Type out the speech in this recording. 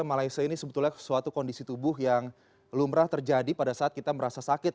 malaysia ini sebetulnya suatu kondisi tubuh yang lumrah terjadi pada saat kita merasa sakit